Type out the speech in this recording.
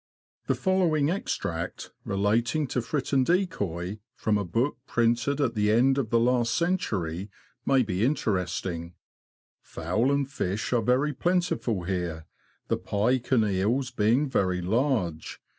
The following extract, relating to Fritton Decoy, 30 THE LAND OF THE BROADS. from a book printed at the end of the last century, may be interesting: ''Fowl and fish are very plenti ful here, the pike and eels being very large.